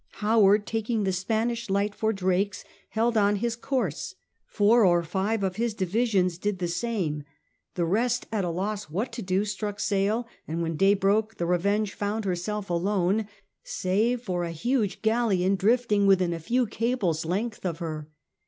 Howard, taking the Spanish light for Drake's, held on his course. Four or five of his division did the same. 154 "S"/^ FRANCIS DRAKE chap. The rest, at a loss what to do, struck sail, and when day broke the Bevenge found herself alone, save for a huge galleon drifting within a few cables' length of her.